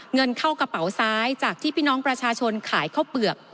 เงินเข้ากระเป๋าซ้ายจากที่พี่น้องประชาชนขายข้าวเปลือก